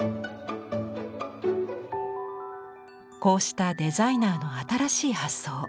こうしたデザイナーの新しい発想。